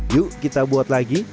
yuk kita buat lagi